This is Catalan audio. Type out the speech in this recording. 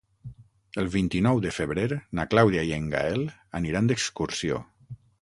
El vint-i-nou de febrer na Clàudia i en Gaël aniran d'excursió.